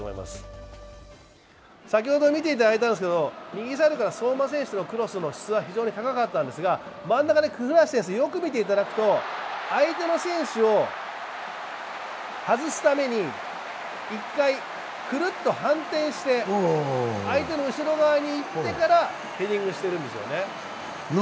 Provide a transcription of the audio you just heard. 先ほど見ていただいたんですけど右サイドから相馬選手からのクロスの質は非常に高かったんですが、真ん中に古橋選手、よく見ていただくと、相手の選手を外すために１回くるっと反転して相手の後ろ側にいってからヘディングしてるんですよね。